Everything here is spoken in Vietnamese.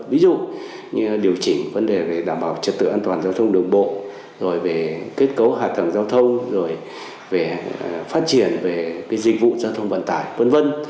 ví dụ như điều chỉnh vấn đề đảm bảo trật tự an toàn giao thông đường bộ kết cấu hạ tầng giao thông phát triển dịch vụ giao thông vận tải v v